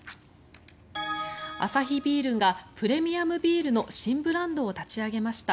アサヒビールがプレミアムビールの新ブランドを立ち上げました。